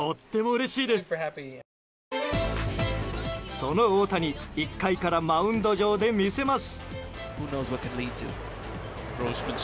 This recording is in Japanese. その大谷１回からマウンド上で魅せます。